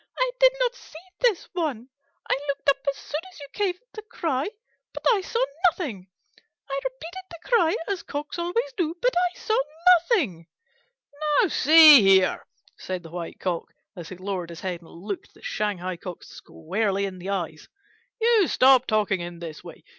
"I did not see this one. I looked up as soon as you gave the cry, but I saw nothing. I repeated the cry, as Cocks always do, but I saw nothing." "Now see here," said the White Cock, as he lowered his head and looked the Shanghai Cock squarely in the eyes, "you stop talking in this way!